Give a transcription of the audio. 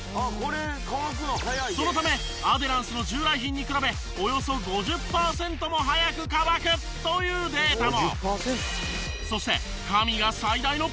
そのためアデランスの従来品に比べおよそ５０パーセントも早く乾くというデータも！